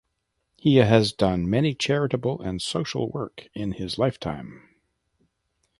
He has done many charitable and social work in his lifetime.